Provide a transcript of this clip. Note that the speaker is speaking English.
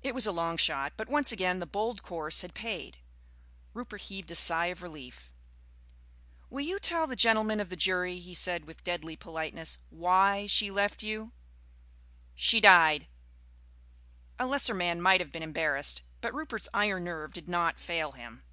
It was a long shot, but once again the bold course had paid. Rupert heaved a sigh of relief. "Will you tell the gentlemen of the jury," he said with deadly politeness, "why she left you." "She died." A lesser man might have been embarrassed, but Rupert's iron nerve did not fail him.